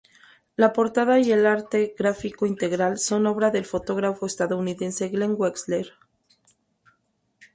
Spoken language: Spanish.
La portada y el arte gráfico integral son obra del fotógrafo estadounidense Glen Wexler.